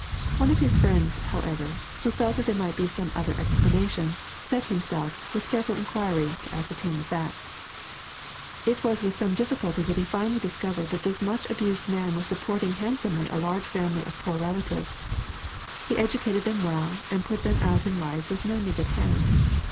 One of his friends, however, who felt that there might be some other explanation, set himself, with careful inquiry, to ascertain the fa^^. It was with some difficulty that he finally discovered that this much abused man was supporting handsomely a large family of poor relatives. He educated them well, and put them out in life with no niggard hand.